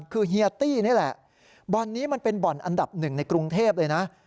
คือเฮียตี้นี่แหละบ่อนนี้มันเป็นบ่อนอันดับหนึ่งในกรุงเทพเลยนะ